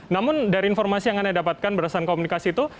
namun dari informasi yang anda dapatkan berdasarkan komunikasi itu